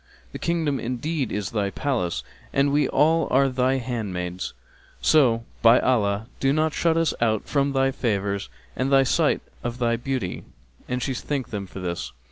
The kingdom indeed is thy kingdom and the palace is thy palace, and we all are thy handmaids; so, by Allah, do not shut us out from thy favours and the sight of thy beauty." And she thanked them for this.